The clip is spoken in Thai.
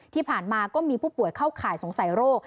ที่ผ่านมาก็มีผู้ป่วยเข้าข่ายสงสัยโรค